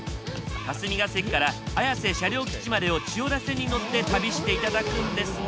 霞ケ関から綾瀬車両基地までを千代田線に乗って旅して頂くんですが。